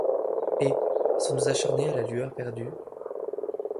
Et, sans nous acharner à la lueur perdue